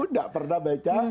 nggak pernah baca